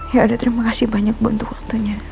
ya ada terima kasih banyak bu untuk waktunya